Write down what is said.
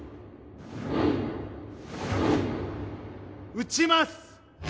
撃ちます。